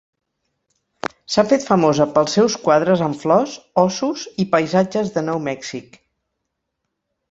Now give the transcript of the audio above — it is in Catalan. S'ha fet famosa pels seus quadres amb flors, ossos i paisatges de Nou Mèxic.